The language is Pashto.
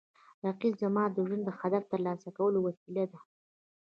رقیب زما د ژوند د هدف ترلاسه کولو وسیله ده